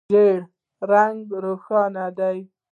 ژېړ رنګ روښانه دی.